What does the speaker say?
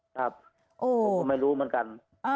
ครับผมไม่รู้เหมือนกัน